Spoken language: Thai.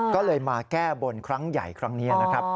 ก็เลยมาแก้บนครั้งใหญ่ครั้งนี้นะครับ